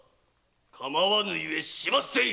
かまわぬゆえ始末せい！